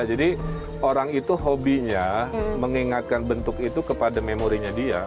jadi orang itu hobinya mengingatkan bentuk itu kepada memorinya dia